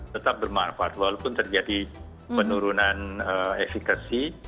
tetap bermanfaat walaupun terjadi penurunan efekasi